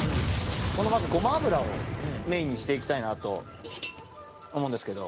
このまずごま油をメインにして行きたいなと思うんですけど。